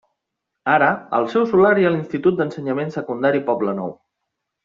Ara, al seu solar hi ha l'Institut d'Ensenyament Secundari Poblenou.